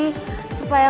supaya kalau misalnya